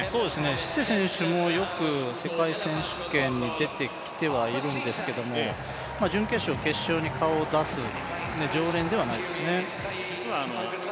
シセ選手もよく世界選手権には出てきてはいるんですけど準決勝、決勝に顔を出す常連ではないですね。